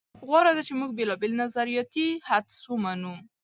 غوره ده چې موږ بېلابېل نظریاتي حدس ومنو.